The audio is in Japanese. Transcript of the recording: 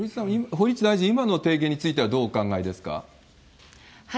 堀内大臣、今の提言についてはどうお考えですか？